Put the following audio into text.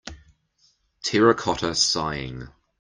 Terracotta Sighing.